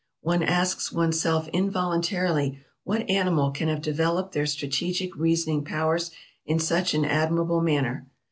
One asks oneself involun tarily what animal can have developed their strategic reasoning powers in such an admirable manner.